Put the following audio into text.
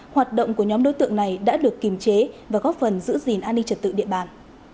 hoạt động của nhóm đối tượng này đã được kiềm chế và góp phần giữ gìn an ninh trật tự địa bàn